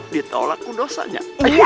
ditolak ku dosanya